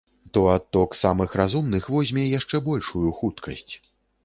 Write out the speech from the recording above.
То адток самых разумных возьме яшчэ большую хуткасць.